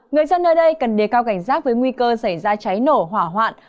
người dân nơi đây cần đề cao cảnh giác với nguy cơ xảy ra cháy nổ hỏa hoạn